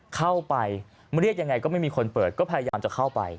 เข้าไปเรียกยังไงก็ไม่มีคนเปิดก็พยายามจะเข้าไป